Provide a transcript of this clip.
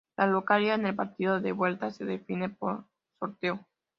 La localía en el partido de vuelta se define por sorteo.